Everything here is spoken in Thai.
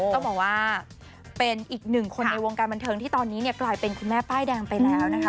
ต้องบอกว่าเป็นอีกหนึ่งคนในวงการบันเทิงที่ตอนนี้เนี่ยกลายเป็นคุณแม่ป้ายแดงไปแล้วนะคะ